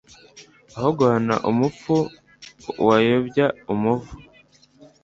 aho guhana umupfu wayobya umuvu